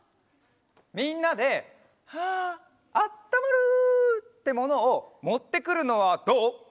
みんなで「はあったまる！」ってものをもってくるのはどう？